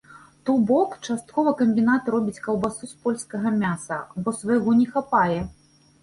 То бок, часткова камбінат робіць каўбасу з польскага мяса, бо свайго не хапае.